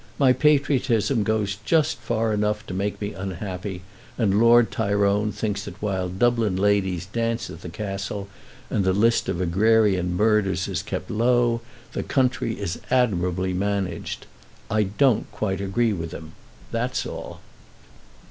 My patriotism just goes far enough to make me unhappy, and Lord Tyrone thinks that while Dublin ladies dance at the Castle, and the list of agrarian murders is kept low, the country is admirably managed. I don't quite agree with him; that's all."